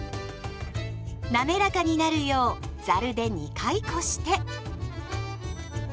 なめらかになるようざるで２回こして。